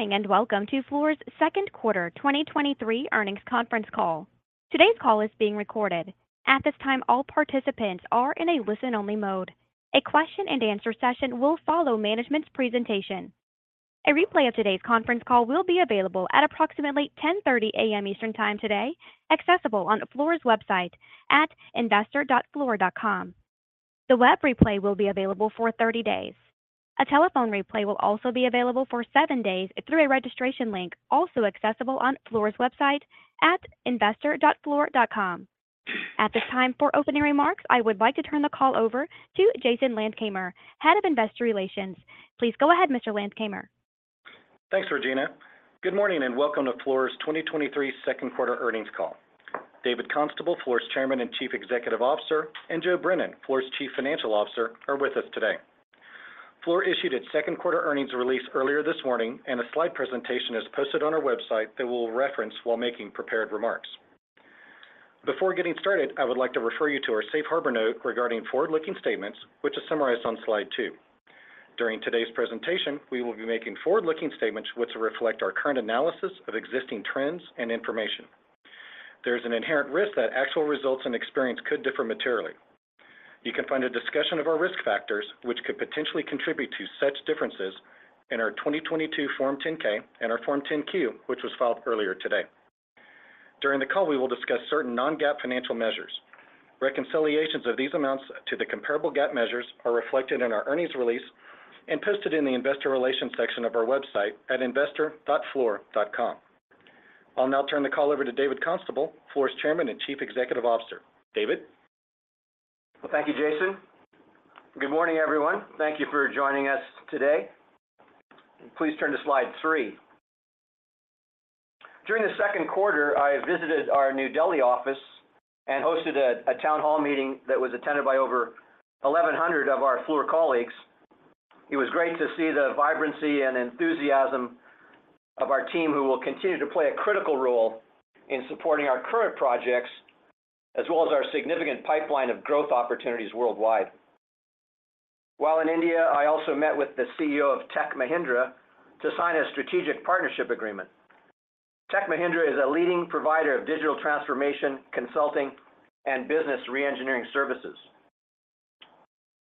Good morning, and welcome to Fluor's second quarter 2023 earnings conference call. Today's call is being recorded. At this time, all participants are in a listen-only mode. A question and answer session will follow management's presentation. A replay of today's conference call will be available at approximately 10:30 A.M. Eastern Time today, accessible on Fluor's website at investor.fluor.com. The web replay will be available for 30 days. A telephone replay will also be available for 7 days through a registration link, also accessible on Fluor's website at investor.fluor.com. At this time, for opening remarks, I would like to turn the call over to Jason Landkamer, Head of Investor Relations. Please go ahead, Mr. Landkamer. Thanks, Regina. Good morning, and welcome to Fluor's 2023 second quarter earnings call. David Constable, Fluor's Chairman and Chief Executive Officer, and Joe Brennan, Fluor's Chief Financial Officer, are with us today. Fluor issued its second quarter earnings release earlier this morning, and a slide presentation is posted on our website that we'll reference while making prepared remarks. Before getting started, I would like to refer you to our Safe Harbor note regarding forward-looking statements, which is summarized on slide 2. During today's presentation, we will be making forward-looking statements which reflect our current analysis of existing trends and information. There's an inherent risk that actual results and experience could differ materially. You can find a discussion of our risk factors, which could potentially contribute to such differences, in our 2022 Form 10-K and our Form 10-Q, which was filed earlier today. During the call, we will discuss certain non-GAAP financial measures. Reconciliations of these amounts to the comparable GAAP measures are reflected in our earnings release and posted in the investor relations section of our website at investor.fluor.com. I'll now turn the call over to David Constable, Fluor's Chairman and Chief Executive Officer. David? Well, thank you, Jason. Good morning, everyone. Thank you for joining us today. Please turn to slide 3. During the second quarter, I visited our New Delhi office and hosted a town hall meeting that was attended by over 1,100 of our Fluor colleagues. It was great to see the vibrancy and enthusiasm of our team, who will continue to play a critical role in supporting our current projects, as well as our significant pipeline of growth opportunities worldwide. While in India, I also met with the CEO of Tech Mahindra to sign a strategic partnership agreement. Tech Mahindra is a leading provider of digital transformation, consulting, and business reengineering services.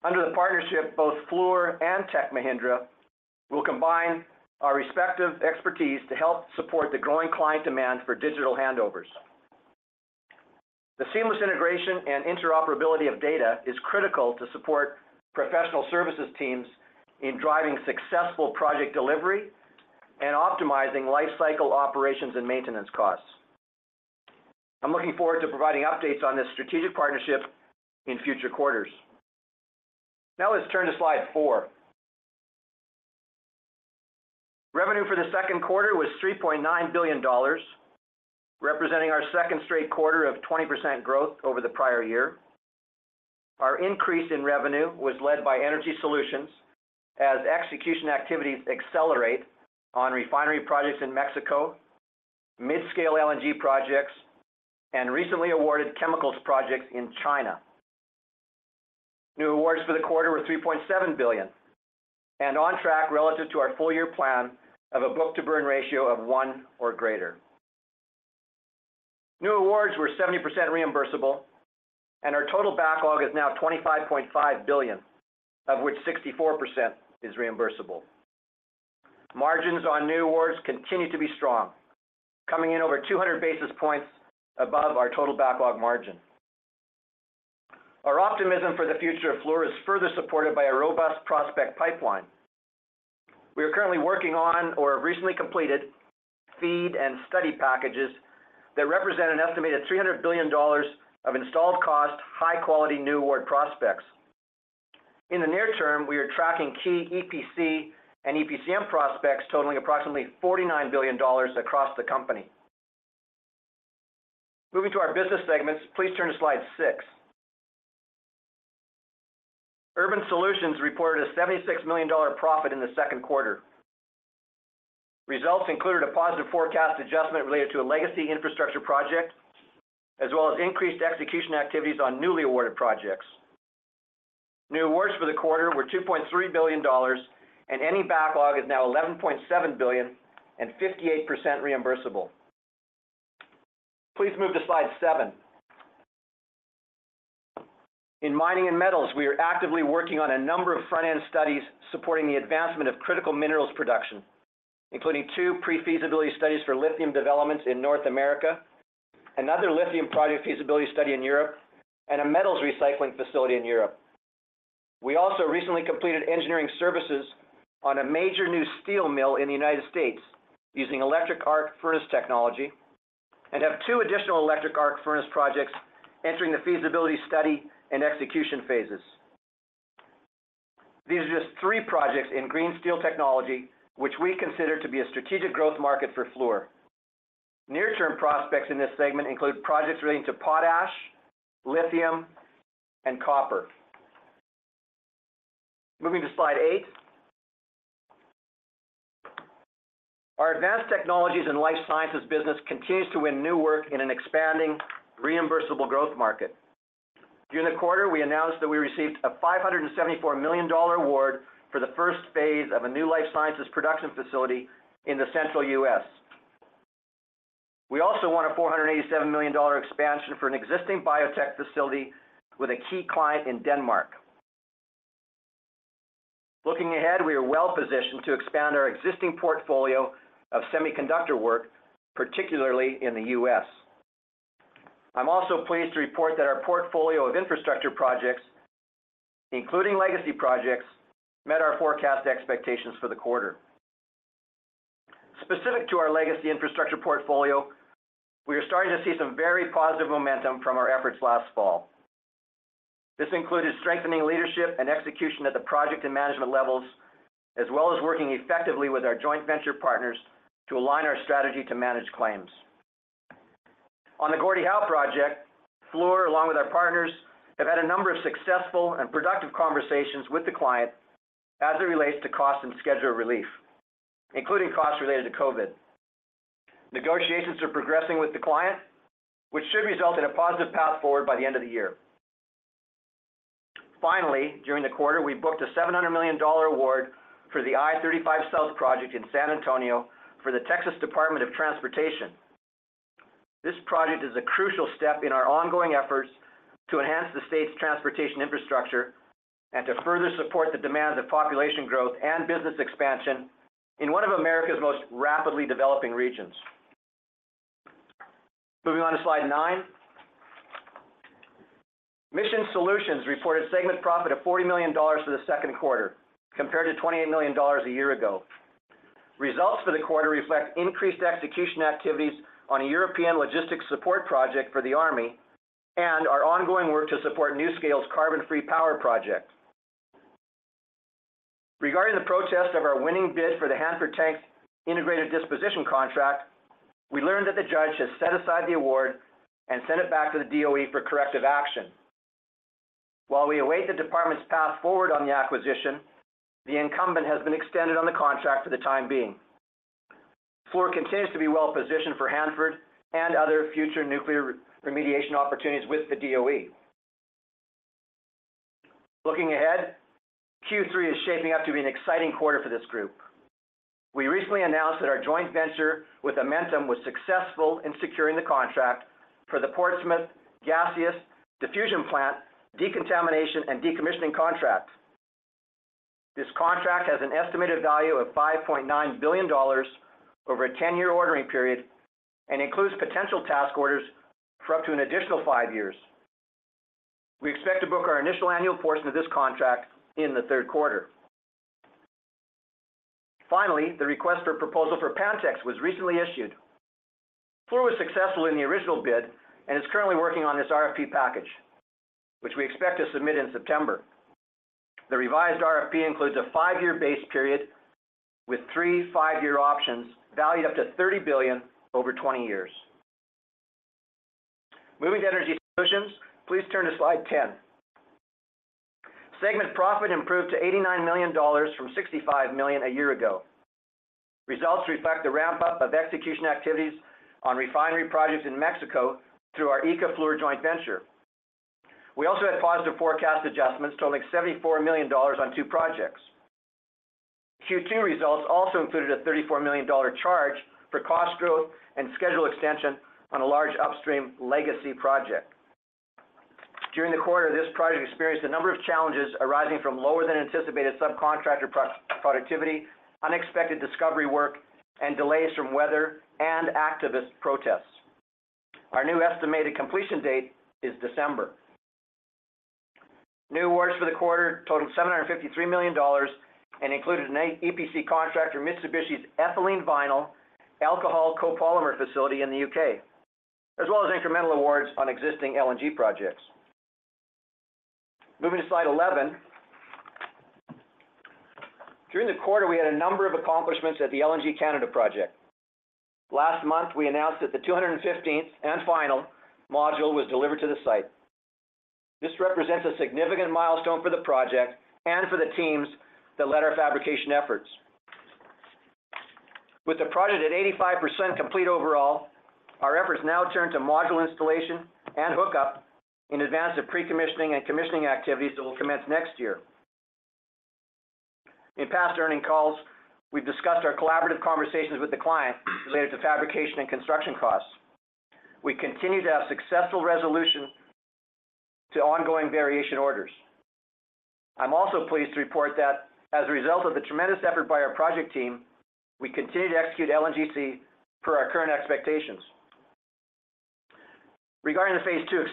Under the partnership, both Fluor and Tech Mahindra will combine our respective expertise to help support the growing client demand for digital handovers. The seamless integration and interoperability of data is critical to support professional services teams in driving successful project delivery and optimizing lifecycle operations and maintenance costs. I'm looking forward to providing updates on this strategic partnership in future quarters. Let's turn to slide 4. Revenue for the second quarter was $3.9 billion, representing our second straight quarter of 20% growth over the prior year. Our increase in revenue was led by Energy Solutions as execution activities accelerate on refinery projects in Mexico, mid-scale LNG projects, and recently awarded chemicals projects in China. New awards for the quarter were $3.7 billion and on track relative to our full year plan of a book-to-burn ratio of 1 or greater. New awards were 70% reimbursable, and our total backlog is now $25.5 billion, of which 64% is reimbursable. Margins on new awards continue to be strong, coming in over 200 basis points above our total backlog margin. Our optimism for the future of Fluor is further supported by a robust prospect pipeline. We are currently working on or have recently completed FEED and study packages that represent an estimated $300 billion of installed cost, high-quality, new award prospects. In the near term, we are tracking key EPC and EPCM prospects totaling approximately $49 billion across the company. Moving to our business segments, please turn to slide six. Urban Solutions reported a $76 million profit in the second quarter. Results included a positive forecast adjustment related to a legacy infrastructure project, as well as increased execution activities on newly awarded projects. New awards for the quarter were $2.3 billion. Any backlog is now $11.7 billion and 58% reimbursable. Please move to slide seven. In mining and metals, we are actively working on a number of front-end studies supporting the advancement of critical minerals production, including two pre-feasibility studies for lithium developments in North America, another lithium project feasibility study in Europe, and a metals recycling facility in Europe. We also recently completed engineering services on a major new steel mill in the United States using electric arc furnace technology and have two additional electric arc furnace projects entering the feasibility, study, and execution phases. These are just three projects in green steel technology, which we consider to be a strategic growth market for Fluor. Near-term prospects in this segment include projects relating to potash, lithium, and copper. Moving to slide eight. Our Advanced Technologies and Life Sciences business continues to win new work in an expanding, reimbursable growth market. During the quarter, we announced that we received a $574 million award for the first phase of a new life sciences production facility in the central U.S. We also won a $487 million expansion for an existing biotech facility with a key client in Denmark. Looking ahead, we are well positioned to expand our existing portfolio of semiconductor work, particularly in the U.S. I'm also pleased to report that our portfolio of infrastructure projects, including legacy projects, met our forecast expectations for the quarter. Specific to our legacy infrastructure portfolio, we are starting to see some very positive momentum from our efforts last fall. This included strengthening leadership and execution at the project and management levels, as well as working effectively with our joint venture partners to align our strategy to manage claims. On the Gordie Howe project, Fluor, along with our partners, have had a number of successful and productive conversations with the client as it relates to cost and schedule relief, including costs related to COVID. Negotiations are progressing with the client, which should result in a positive path forward by the end of the year. During the quarter, we booked a $700 million award for the I-35 South project in San Antonio for the Texas Department of Transportation. This project is a crucial step in our ongoing efforts to enhance the state's transportation infrastructure and to further support the demands of population growth and business expansion in one of America's most rapidly developing regions. Moving on to slide nine. Mission Solutions reported segment profit of $40 million for the second quarter, compared to $28 million a year ago. Results for the quarter reflect increased execution activities on a European logistics support project for the Army and our ongoing work to support NuScale's carbon-free power project. Regarding the protest of our winning bid for the Hanford Tanks Integrated Disposition Contract, we learned that the judge has set aside the award and sent it back to the DOE for corrective action. While we await the department's path forward on the acquisition, the incumbent has been extended on the contract for the time being. Fluor continues to be well positioned for Hanford and other future nuclear remediation opportunities with the DOE. Looking ahead, Q3 is shaping up to be an exciting quarter for this group. We recently announced that our joint venture with Amentum was successful in securing the contract for the Portsmouth Gaseous Diffusion Plant decontamination and decommissioning contract. This contract has an estimated value of $5.9 billion over a 10-year ordering period and includes potential task orders for up to an additional five years. We expect to book our initial annual portion of this contract in the third quarter. Finally, the request for proposal for Pantex was recently issued. Fluor was successful in the original bid and is currently working on this RFP package, which we expect to submit in September. The revised RFP includes a five-year base period with three five-year options, valued up to $30 billion over 20 years. Moving to Energy Solutions, please turn to slide 10. Segment profit improved to $89 million from $65 million a year ago. Results reflect the ramp-up of execution activities on refinery projects in Mexico through our ICA Fluor joint venture. We also had positive forecast adjustments totaling $74 million on two projects. Q2 results also included a $34 million charge for cost growth and schedule extension on a large upstream legacy project. During the quarter, this project experienced a number of challenges arising from lower than anticipated subcontractor productivity, unexpected discovery work, and delays from weather and activist protests. Our new estimated completion date is December. New awards for the quarter totaled $753 million and included an EPC contract for Mitsubishi's ethylene vinyl alcohol copolymer facility in the UK, as well as incremental awards on existing LNG projects. Moving to slide 11. During the quarter, we had a number of accomplishments at the LNG Canada project. Last month, we announced that the 215th and final module was delivered to the site. This represents a significant milestone for the project and for the teams that led our fabrication efforts. With the project at 85% complete overall, our efforts now turn to module installation and hookup in advance of pre-commissioning and commissioning activities that will commence next year. In past earnings calls, we've discussed our collaborative conversations with the client related to fabrication and construction costs. We continue to have successful resolution to ongoing variation orders. I'm also pleased to report that as a result of the tremendous effort by our project team, we continue to execute LNGC per our current expectations. Regarding the phase two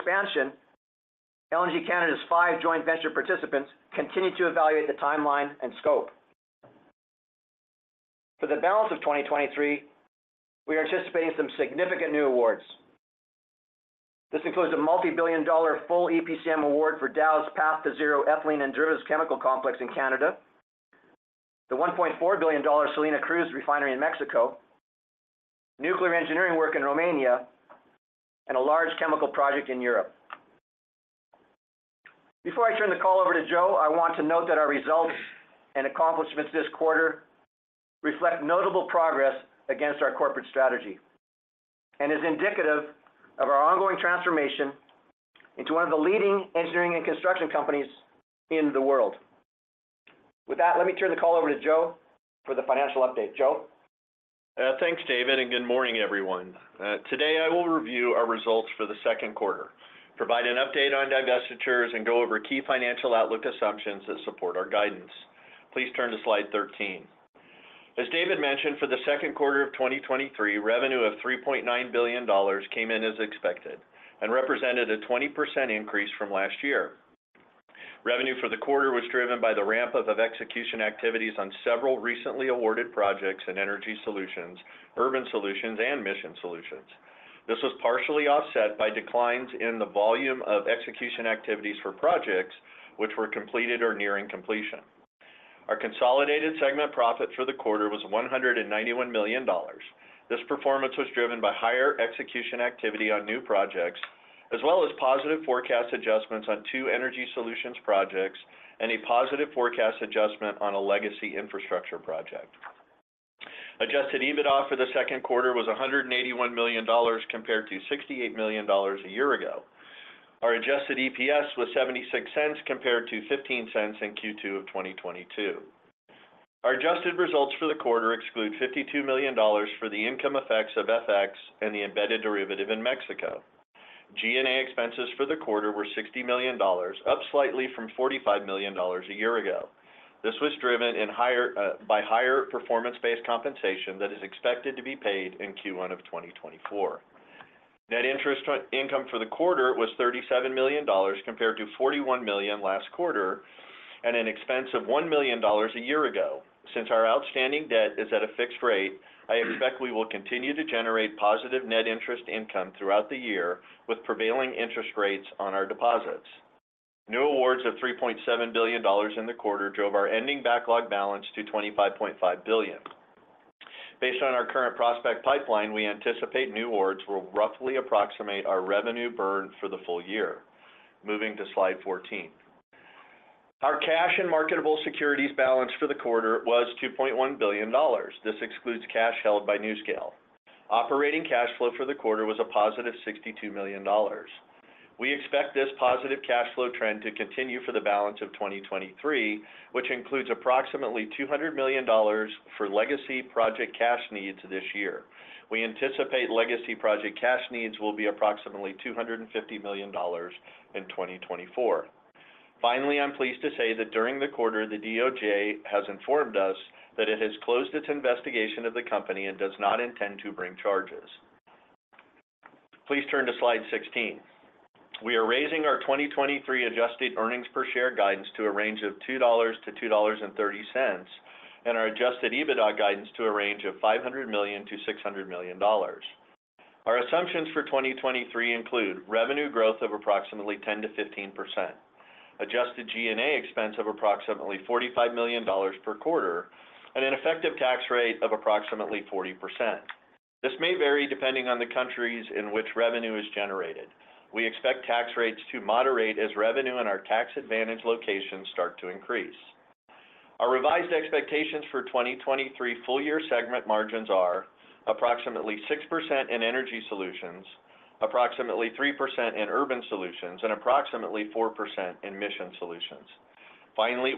expansion, LNG Canada's five joint venture participants continue to evaluate the timeline and scope. For the balance of 2023, we are anticipating some significant new awards. This includes a multi-billion dollar full EPCM award for Dow's Path2Zero ethylene and derivatives chemical complex in Canada, the $1.4 billion Salina Cruz refinery in Mexico, nuclear engineering work in Romania, and a large chemical project in Europe. Before I turn the call over to Joe, I want to note that our results and accomplishments this quarter reflect notable progress against our corporate strategy. Is indicative of our ongoing transformation into one of the leading engineering and construction companies in the world. With that, let me turn the call over to Joe for the financial update. Joe? Thanks, David, and good morning, everyone. Today, I will review our results for the second quarter, provide an update on divestitures, and go over key financial outlook assumptions that support our guidance. Please turn to slide 13. As David mentioned, for the second quarter of 2023, revenue of $3.9 billion came in as expected and represented a 20% increase from last year. Revenue for the quarter was driven by the ramp-up of execution activities on several recently awarded projects in Energy Solutions, Urban Solutions, and Mission Solutions. This was partially offset by declines in the volume of execution activities for projects, which were completed or nearing completion. Our consolidated segment profit for the quarter was $191 million. This performance was driven by higher execution activity on new projects, as well as positive forecast adjustments on two Energy Solutions projects and a positive forecast adjustment on a legacy infrastructure project. Adjusted EBITDA for the second quarter was $181 million, compared to $68 million a year ago. Our adjusted EPS was $0.76, compared to $0.15 in Q2 of 2022. Our adjusted results for the quarter exclude $52 million for the income effects of FX and the embedded derivative in Mexico. G&A expenses for the quarter were $60 million, up slightly from $45 million a year ago. This was driven by higher performance-based compensation that is expected to be paid in Q1 of 2024. Net interest income for the quarter was $37 million, compared to $41 million last quarter, and an expense of $1 million a year ago. Since our outstanding debt is at a fixed rate, I expect we will continue to generate positive net interest income throughout the year with prevailing interest rates on our deposits. New awards of $3.7 billion in the quarter drove our ending backlog balance to $25.5 billion. Based on our current prospect pipeline, we anticipate new awards will roughly approximate our revenue burn for the full year. Moving to slide 14. Our cash and marketable securities balance for the quarter was $2.1 billion. This excludes cash held by NuScale. Operating cash flow for the quarter was a positive $62 million. We expect this positive cash flow trend to continue for the balance of 2023, which includes approximately $200 million for legacy project cash needs this year. We anticipate legacy project cash needs will be approximately $250 million in 2024. Finally, I'm pleased to say that during the quarter, the DOJ has informed us that it has closed its investigation of the company and does not intend to bring charges. Please turn to slide 16. We are raising our 2023 adjusted earnings per share guidance to a range of $2.00-$2.30, and our adjusted EBITDA guidance to a range of $500 million-$600 million. Our assumptions for 2023 include: revenue growth of approximately 10%-15%, adjusted G&A expense of approximately $45 million per quarter, and an effective tax rate of approximately 40%. This may vary depending on the countries in which revenue is generated. We expect tax rates to moderate as revenue in our tax advantage locations start to increase. Our revised expectations for 2023 full year segment margins are approximately 6% in Energy Solutions, approximately 3% in Urban Solutions, and approximately 4% in Mission Solutions.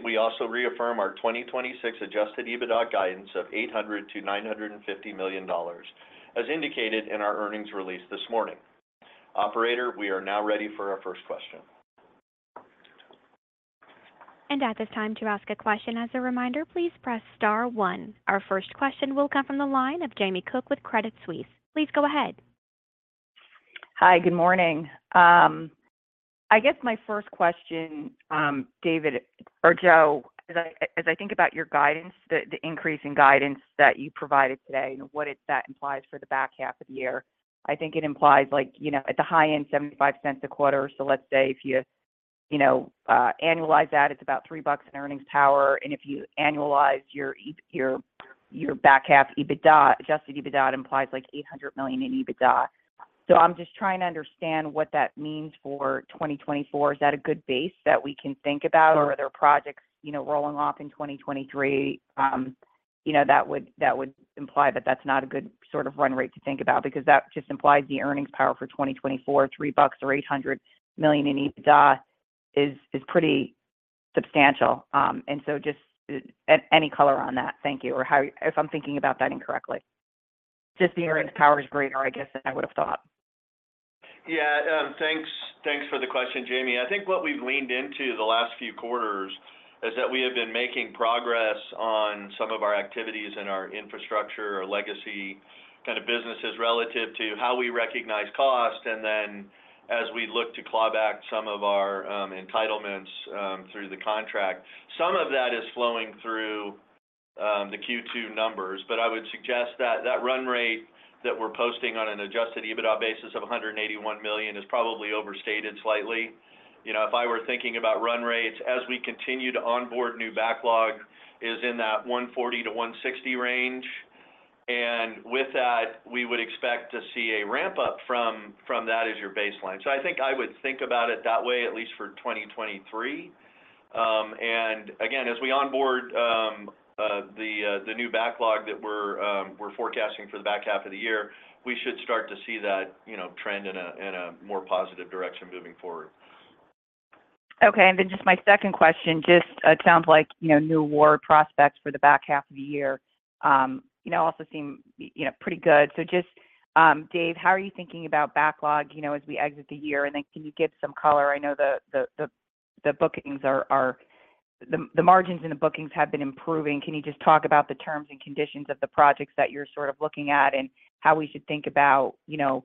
We also reaffirm our 2026 adjusted EBITDA guidance of $800 million-$950 million, as indicated in our earnings release this morning. Operator, we are now ready for our first question. At this time, to ask a question, as a reminder, please press star 1. Our first question will come from the line of Jamie Cook with Credit Suisse. Please go ahead. Hi, good morning. I guess my first question, David or Joe, as I, as I think about your guidance, the increase in guidance that you provided today and what that implies for the back half of the year, I think it implies, like, you know, at the high end, $0.75 a quarter. Let's say if you, you know, annualize that, it's about $3 in earnings power, and if you annualize your e- your, your back half EBITDA, adjusted EBITDA implies, like, $800 million in EBITDA. I'm just trying to understand what that means for 2024. Is that a good base that we can think about? Or are there projects, you know, rolling off in 2023, you know, that would, that would imply that that's not a good sort of run rate to think about? That just implies the earnings power for 2024, $3 or $800 million in EBITDA is pretty substantial. Just any color on that? Thank you. If I'm thinking about that incorrectly, just the earnings power is greater, I guess, than I would have thought. Yeah. Thanks, thanks for the question, Jamie. I think what we've leaned into the last few quarters is that we have been making progress on some of our activities in our infrastructure, our legacy kind of businesses relative to how we recognize cost, and then as we look to claw back some of our entitlements through the contract. Some of that is flowing through the Q2 numbers, but I would suggest that that run rate that we're posting on an adjusted EBITDA basis of $181 million is probably overstated slightly. You know, if I were thinking about run rates, as we continue to onboard new backlog, is in that $140-$160 million range, and with that, we would expect to see a ramp-up from, from that as your baseline. I think I would think about it that way, at least for 2023. As we onboard the new backlog that we're forecasting for the back half of the year, we should start to see that, you know, trend in a, in a more positive direction moving forward. Okay. Just my second question, sounds like, you know, new award prospects for the back half of the year, you know, also seem, you know, pretty good. Dave, how are you thinking about backlog, you know, as we exit the year? Can you give some color? I know the margins in the bookings have been improving. Can you just talk about the terms and conditions of the projects that you're sort of looking at, and how we should think about, you know,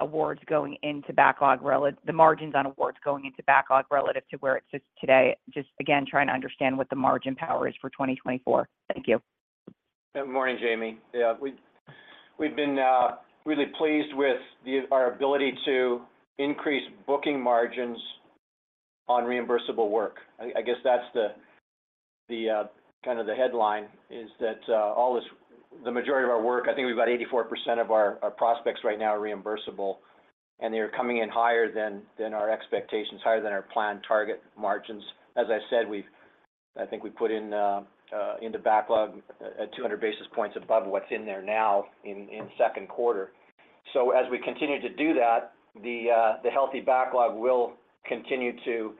awards going into backlog relative to the margins on awards going into backlog relative to where it sits today? Just again, trying to understand what the margin power is for 2024. Thank you. Good morning, Jamie. Yeah, we've, we've been really pleased with the, our ability to increase booking margins on reimbursable work. I, I guess that's the, the, kind of the headline, is that all this... The majority of our work, I think we've about 84% of our, our prospects right now are reimbursable, and they're coming in higher than, than our expectations, higher than our planned target margins. As I said, I think we've put in into backlog at 200 basis points above what's in there now in, in second quarter. As we continue to do that, the, the healthy backlog will continue to,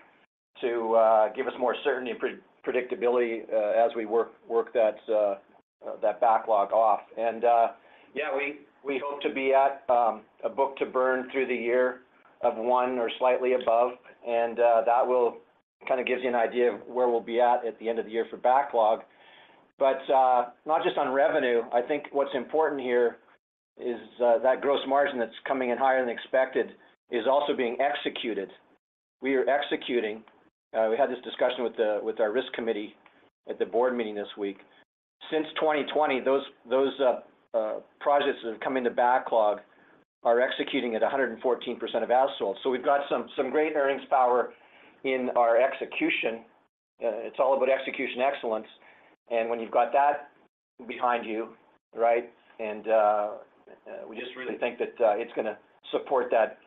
to give us more certainty and predictability, as we work, work that, that backlog off. Yeah, we, we hope to be at a book to burn through the year of 1 or slightly above, that will kind of gives you an idea of where we'll be at, at the end of the year for backlog. Not just on revenue, I think what's important here is that gross margin that's coming in higher than expected is also being executed. We are executing. We had this discussion with our risk committee at the board meeting this week. Since 2020, those, those projects that have come into backlog are executing at 114% of as sold. We've got some, some great earnings power in our execution. It's all about execution excellence, and when you've got that behind you, right? We just really think that it's gonna support that,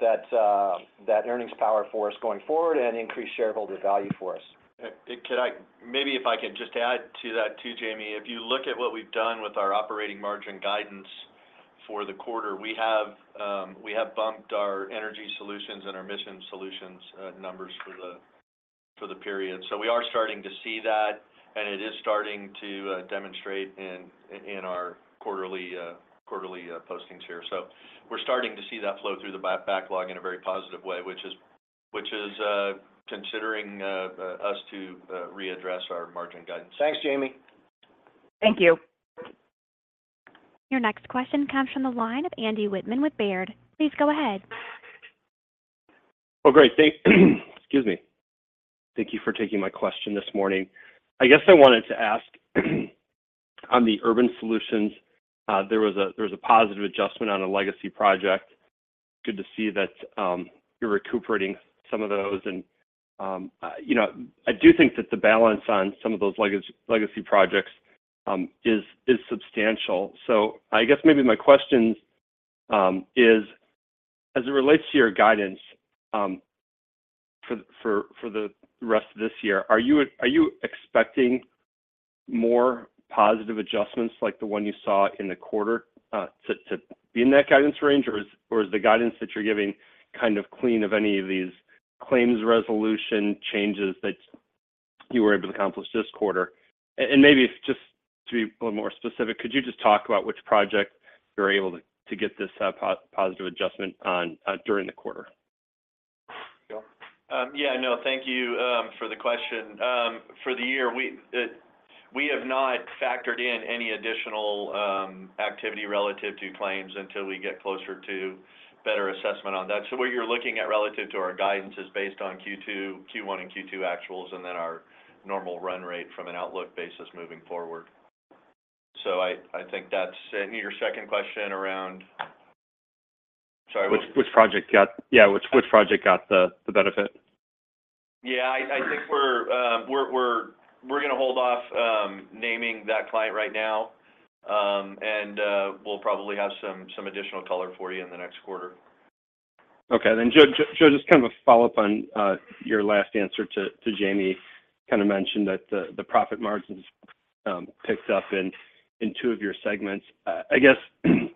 that, that earnings power for us going forward and increase shareholder value for us. Maybe if I could just add to that, too, Jamie. You look at what we've done with our operating margin guidance for the quarter, we have, we have bumped our Energy Solutions and our Mission Solutions numbers for the period. We are starting to see that, and it is starting to demonstrate in our quarterly, quarterly postings here. We're starting to see that flow through the backlog in a very positive way, which is, which is considering us to readdress our margin guidance. Thanks, Jamie. Thank you. Your next question comes from the line of Andy Wittmann with Baird. Please go ahead. Well, great. Thank- Excuse me. Thank you for taking my question this morning. I guess I wanted to ask, on the Urban Solutions, there was a, there was a positive adjustment on a legacy project. Good to see that, you're recuperating some of those. You know, I do think that the balance on some of those legacy, legacy projects, is, is substantial. I guess maybe my question, is, as it relates to your guidance, for the, for, for the rest of this year, are you, are you expecting more positive adjustments like the one you saw in the quarter, to, to be in that guidance range? Or is, or is the guidance that you're giving kind of clean of any of these claims resolution changes that you were able to accomplish this quarter? maybe just to be a little more specific, could you just talk about which project you were able to, to get this positive adjustment on during the quarter? Yeah, no, thank you for the question. For the year, we have not factored in any additional activity relative to claims until we get closer to better assessment on that. What you're looking at relative to our guidance is based on Q1 and Q2 actuals, and then our normal run rate from an outlook basis moving forward. I, I think that's- And your second question around... Sorry, what- Which, which project, Yeah, which, which project got the, the benefit? Yeah, I, I think we're, we're, we're, we're gonna hold off, naming that client right now. We'll probably have some, some additional color for you in the next quarter. Okay. Joe, J-Joe, just kind of a follow-up on your last answer to Jamie. Kind of mentioned that the profit margins ticked up in two of your segments. I guess, you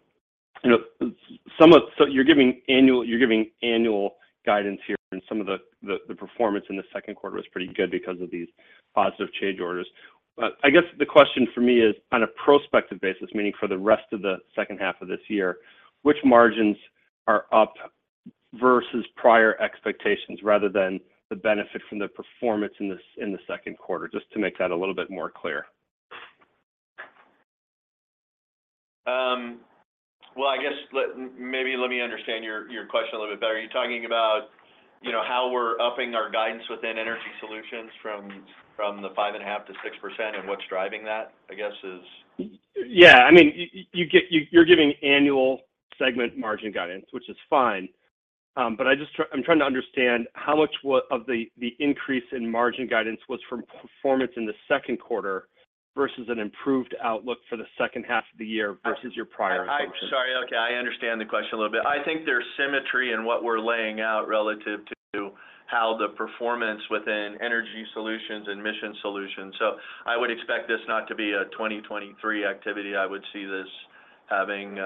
know, you're giving annual, you're giving annual guidance here, and some of the performance in the second quarter was pretty good because of these positive change orders. I guess the question for me is on a prospective basis, meaning for the rest of the second half of this year, which margins are up versus prior expectations, rather than the benefit from the performance in the second quarter? Just to make that a little bit more clear. Well, I guess, maybe let me understand your, your question a little bit better. Are you talking about, you know, how we're upping our guidance within Energy Solutions from, from the 5.5%-6%, and what's driving that, I guess is? Yeah. I mean, you, you're giving annual segment margin guidance, which is fine. I'm trying to understand how much of the, the increase in margin guidance was from performance in the second quarter versus an improved outlook for the second half of the year versus your prior assumption? Sorry. Okay, I understand the question a little bit. I think there's symmetry in what we're laying out relative to how the performance within Energy Solutions and Mission Solutions. I would expect this not to be a 2023 activity. I would see this having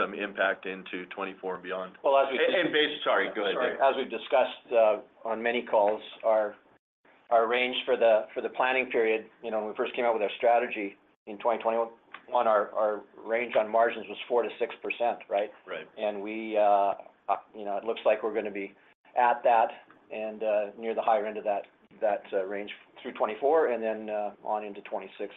some impact into 2024 and beyond. Well. Sorry, go ahead, Dave. Sorry. As we've discussed, on many calls, our, our range for the, for the planning period, you know, when we first came out with our strategy in 2021, our, our range on margins was 4%-6%, right? Right. We, you know, it looks like we're gonna be at that and, near the higher end of that, that, range through 2024, and then, on into 2026,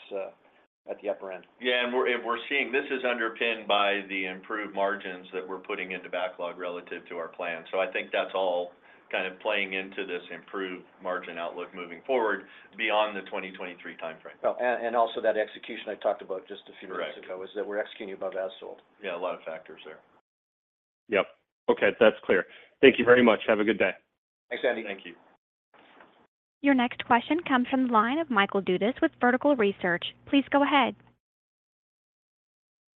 at the upper end. Yeah, we're seeing this is underpinned by the improved margins that we're putting into backlog relative to our plan. I think that's all kind of playing into this improved margin outlook moving forward beyond the 2023 timeframe. Well, also that execution I talked about just a few minutes ago... Right is that we're executing above as sold. Yeah, a lot of factors there. Yep. Okay, that's clear. Thank you very much. Have a good day. Thanks, Andy. Thank you. Your next question comes from the line of Michael Dudas with Vertical Research. Please go ahead.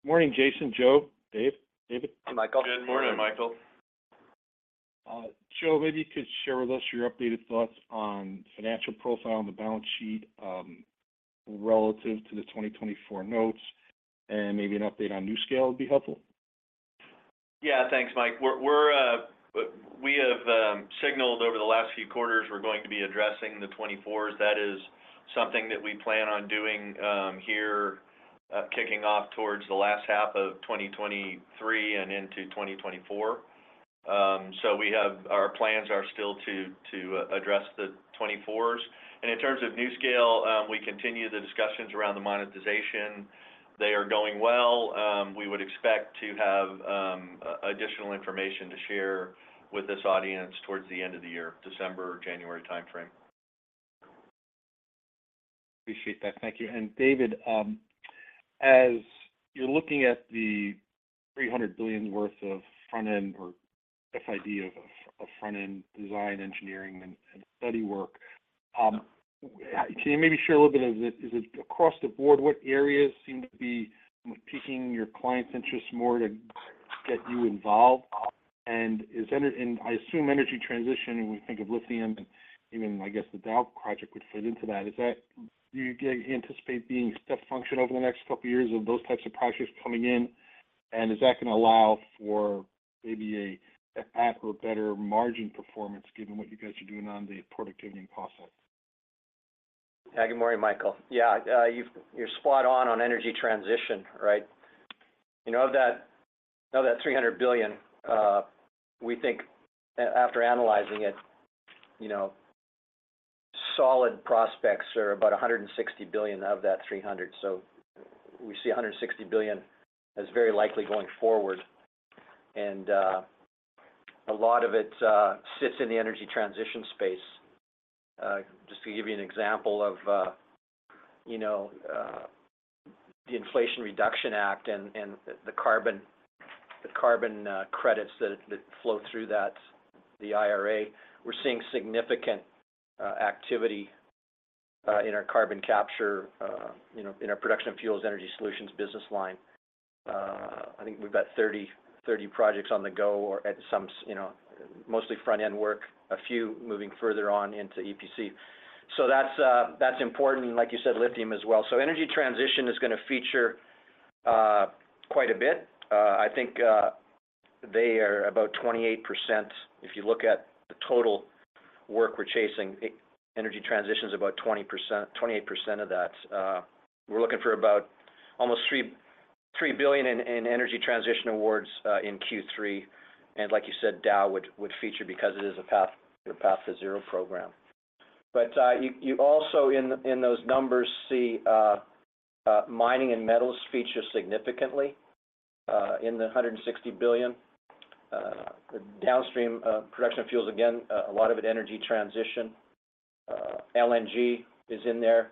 Morning, Jason, Joe, Dave, David. Hi, Michael. Good morning, Michael. Joe, maybe you could share with us your updated thoughts on financial profile on the balance sheet, relative to the 2024 Notes, and maybe an update on NuScale would be helpful. Yeah, thanks, Mike. We're, we're we have signaled over the last few quarters, we're going to be addressing the 2024 Notes. That is something that we plan on doing here kicking off towards the last half of 2023 and into 2024. We have our plans are still to to address the 2024 Notes. In terms of NuScale, we continue the discussions around the monetization. They are going well. We would expect to have additional information to share with this audience towards the end of the year, December or January timeframe. Appreciate that. Thank you. David, as you're looking at the $300 billion worth of front-end or FID of, of front-end design, engineering, and, and study work, can you maybe share a little bit, is it, is it across the board, what areas seem to be piquing your clients' interest more to get you involved? Is energy... And I assume energy transition, when we think of lithium, and even I guess the Dow project would fit into that, do you anticipate being step function over the next couple of years of those types of projects coming in? Is that going to allow for maybe a, an at or better margin performance, given what you guys are doing on the productivity and cost side? Good morning, Michael. You're spot on, on energy transition, right? You know, of that, of that $300 billion, we think after analyzing it, you know, solid prospects are about $160 billion of that $300 billion. We see $160 billion as very likely going forward, and a lot of it sits in the energy transition space. Just to give you an example of, you know, the Inflation Reduction Act and the carbon, the carbon credits that flow through that, the IRA, we're seeing significant activity in our carbon capture, you know, in our production of fuels, Energy Solutions, business line. I think we've got 30 projects on the go or at some, you know, mostly front-end work, a few moving further on into EPC. That's, that's important, and like you said, lithium as well. Energy transition is gonna feature quite a bit. They are about 28%. If you look at the total work we're chasing, energy transition is about 20%, 28% of that. We're looking for about almost $3 billion in energy transition awards in Q3. Like you said, Dow would feature because it is a path, a Path2Zero program. You also in those numbers, see mining and metals feature significantly in the $160 billion. Downstream, production of fuels, again, a lot of it, energy transition. LNG is in there,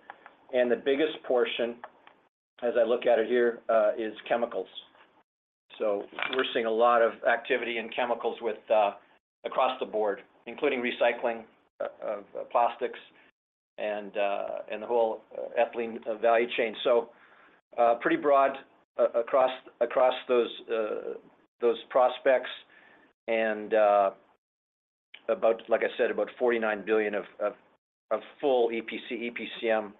and the biggest portion, as I look at it here, is chemicals. We're seeing a lot of activity in chemicals with across the board, including recycling of plastics and and the whole ethylene value chain. Pretty broad across, across those prospects and about, like I said, about $49 billion of, of, of full EPC, EPCM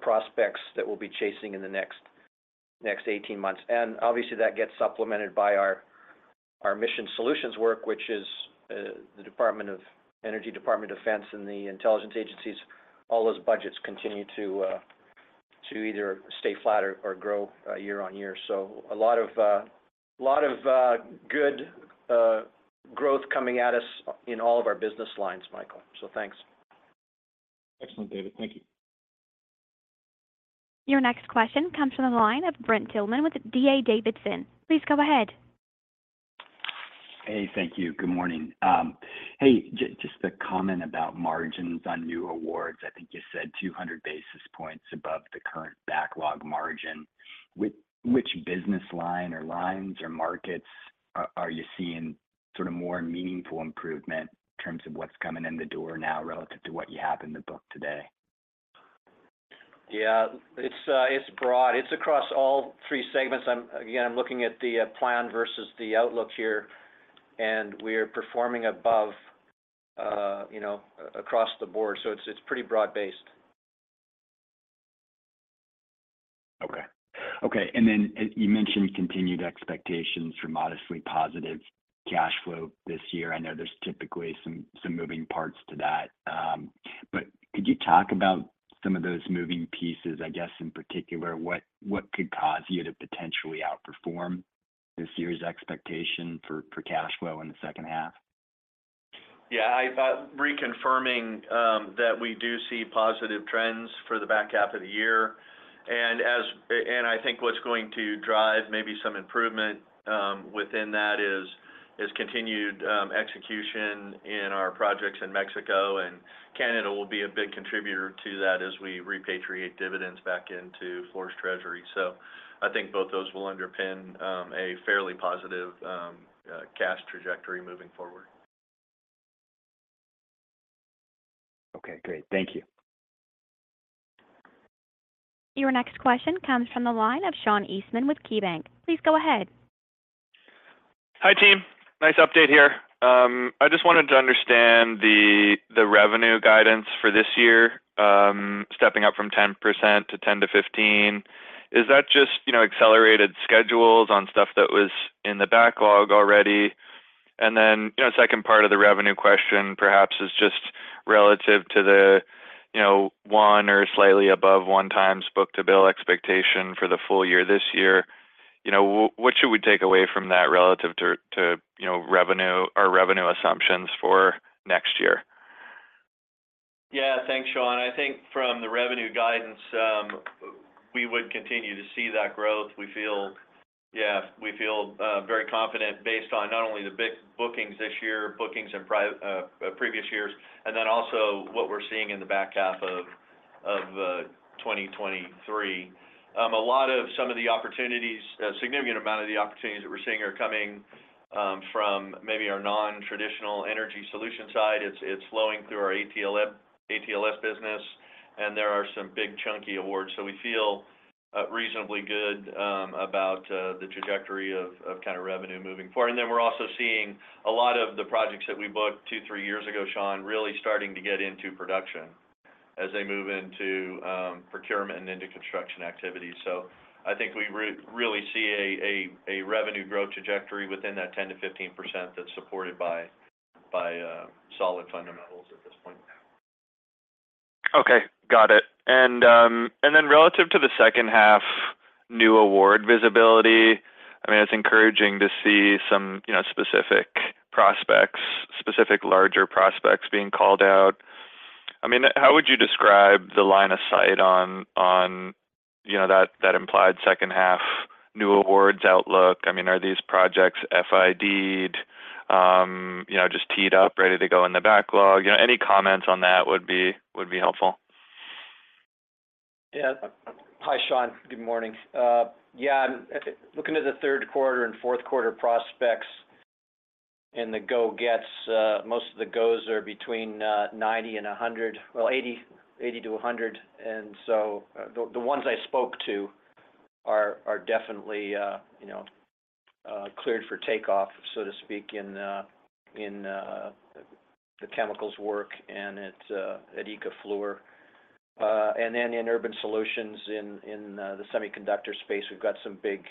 prospects that we'll be chasing in the next, next 18 months. Obviously, that gets supplemented by our Mission Solutions work, which is the Department of Energy, Department of Defense, and the intelligence agencies. All those budgets continue to to either stay flat or, or grow year-on-year. A lot of lot of good growth coming at us in all of our business lines, Michael. Thanks. Excellent, David. Thank you. Your next question comes from the line of Brent Thielman with D.A. Davidson. Please go ahead. Hey, thank you. Good morning. Hey, just a comment about margins on new awards. I think you said 200 basis points above the current backlog margin. Which, which business line or lines or markets are, are you seeing sort of more meaningful improvement in terms of what's coming in the door now relative to what you have in the book today? ... Yeah, it's broad. It's across all three segments. Again, I'm looking at the plan versus the outlook here. We are performing above, you know, across the board. It's, it's pretty broad-based. Okay. Okay, you mentioned continued expectations for modestly positive cash flow this year. I know there's typically some, some moving parts to that. Could you talk about some of those moving pieces, I guess, in particular, what, what could cause you to potentially outperform this year's expectation for, for cash flow in the second half? Yeah, I reconfirming that we do see positive trends for the back half of the year. as-- A- and I think what's going to drive maybe some improvement within that is, is continued execution in our projects in Mexico, and Canada will be a big contributor to that as we repatriate dividends back into Fluor's treasury. I think both those will underpin a fairly positive cash trajectory moving forward. Okay, great. Thank you. Your next question comes from the line of Sean Eastman with KeyBanc. Please go ahead. Hi, team. Nice update here. I just wanted to understand the, the revenue guidance for this year, stepping up from 10% to 10%-15%. Is that just, you know, accelerated schedules on stuff that was in the backlog already? Then, you know, second part of the revenue question, perhaps, is just relative to the, you know, 1x or slightly above 1x book-to-bill expectation for the full year this year. You know, what should we take away from that relative to, to, you know, revenue or revenue assumptions for next year? Yeah, thanks, Sean. I think from the revenue guidance, we would continue to see that growth. We feel... Yeah, we feel very confident based on not only the big bookings this year, bookings in previous years, and then also what we're seeing in the back half of 2023. A lot of some of the opportunities, a significant amount of the opportunities that we're seeing are coming from maybe our non-traditional Energy Solutions side. It's, it's flowing through our ATLS business, and there are some big, chunky awards. We feel reasonably good about the trajectory of kind of revenue moving forward. Then we're also seeing a lot of the projects that we booked two, three years ago, Sean, really starting to get into production as they move into procurement and into construction activities. I think we really see a revenue growth trajectory within that 10%-15% that's supported by solid fundamentals at this point. Okay, got it. Then relative to the second half, new award visibility, I mean, it's encouraging to see some, you know, specific prospects, specific larger prospects being called out. I mean, how would you describe the line of sight on, on, you know, that, that implied second half new awards outlook? I mean, are these projects FID-ed, you know, just teed up, ready to go in the backlog? You know, any comments on that would be, would be helpful. Yeah. Hi, Sean. Good morning. Yeah, I'm looking at the third quarter and fourth quarter prospects and the go gets. Most of the goes are between 90 and 100. Well, 80, 80 to 100. The, the ones I spoke to are, are definitely, you know, cleared for takeoff, so to speak, in, in, the chemicals work and at, at ICA Fluor. In Urban Solutions, in, in, the semiconductor space, we've got some big,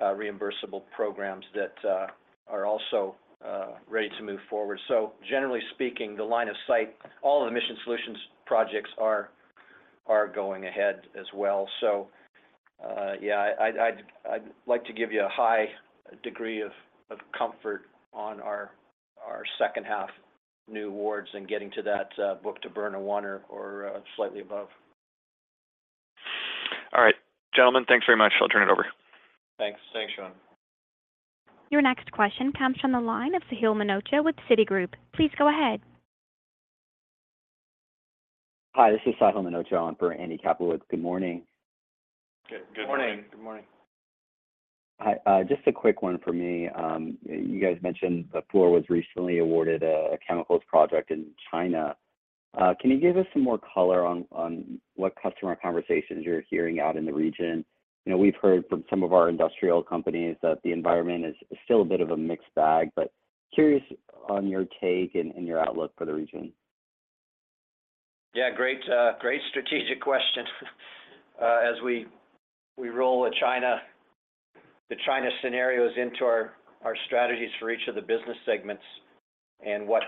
reimbursable programs that, are also, ready to move forward. Generally speaking, the line of sight, all the Mission Solutions projects are, are going ahead as well. Yeah, I'd, I'd, I'd like to give you a high degree of, of comfort on our, our second half new awards and getting to that, book to burn of 1 or, or, slightly above. All right, gentlemen, thanks very much. I'll turn it over. Thanks. Thanks, Sean. Your next question comes from the line of Sahil Manocha with Citigroup. Please go ahead. Hi, this is Sahil Manocha, on behalf of Andy Kaplowitz. Good morning. Good morning. Good morning. Hi, just a quick one for me. You guys mentioned that Fluor was recently awarded a, a chemicals project in China. Can you give us some more color on, on what customer conversations you're hearing out in the region? You know, we've heard from some of our industrial companies that the environment is, is still a bit of a mixed bag, but curious on your take and, and your outlook for the region. Yeah, great, great strategic question. As we, we roll with China, the China scenarios into our strategies for each of the business segments and what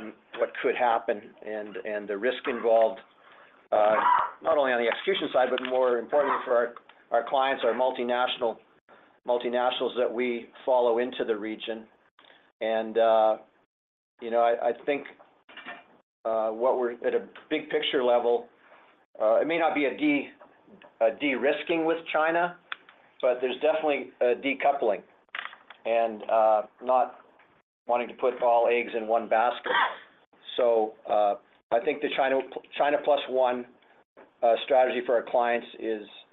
could happen, and the risk involved, not only on the execution side, but more importantly for our clients, our multinational-multinationals that we follow into the region. You know, I think what we're... At a big picture level, it may not be a de- a de-risking with China, but there's definitely a decoupling and not wanting to put all eggs in one basket. I think the China, China plus one strategy for our clients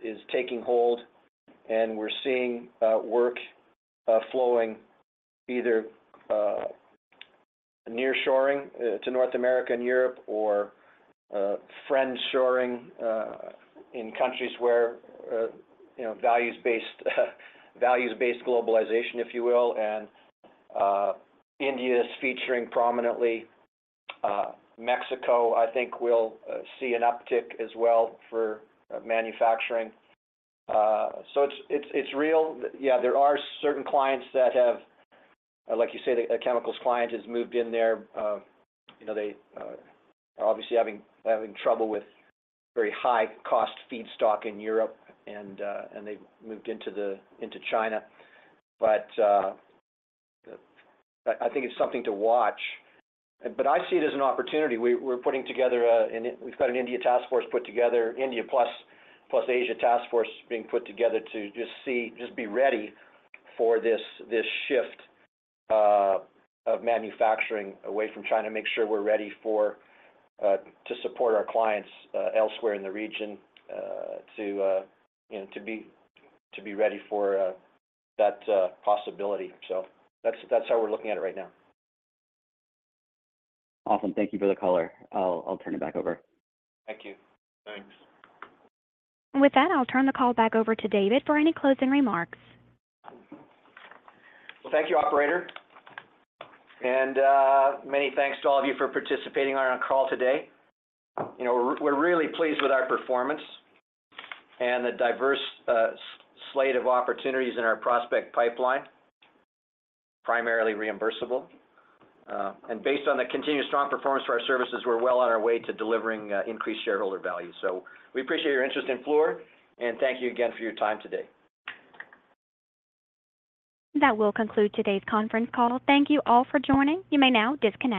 is taking hold, and we're seeing work flowing either-... nearshoring to North America and Europe, or friendshoring in countries where, you know, values-based, values-based globalization, if you will. India is featuring prominently. Mexico, I think, will see an uptick as well for manufacturing. It's, it's, it's real. Yeah, there are certain clients that have, like you say, a chemicals client has moved in there. You know, they are obviously having, having trouble with very high-cost feedstock in Europe, and they've moved into China. I think it's something to watch. I see it as an opportunity. We're putting together a, we've got an India task force put together, India plus, plus Asia task force being put together to just see, just be ready for this, this shift of manufacturing away from China, make sure we're ready for to support our clients elsewhere in the region, to, you know, to be, to be ready for that possibility. That's, that's how we're looking at it right now. Awesome. Thank you for the color. I'll, I'll turn it back over. Thank you. Thanks. With that, I'll turn the call back over to David for any closing remarks. Well, thank you, operator. Many thanks to all of you for participating on our call today. You know, we're, we're really pleased with our performance and the diverse slate of opportunities in our prospect pipeline, primarily reimbursable. Based on the continued strong performance for our services, we're well on our way to delivering increased shareholder value. We appreciate your interest in Fluor, and thank you again for your time today. That will conclude today's conference call. Thank you all for joining. You may now disconnect.